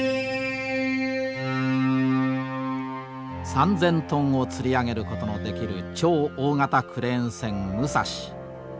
３，０００トンをつり上げることのできる超大型クレーン船武蔵。